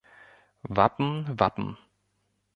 Wappen, Wappen